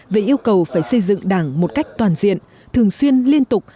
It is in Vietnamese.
về yêu cầu phải xây dựng đảng một cách toàn diện thường xuyên liên tục